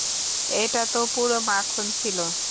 এটা তো পুরো মাখন ছিল।